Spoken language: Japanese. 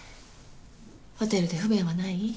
ホテルで不便はない？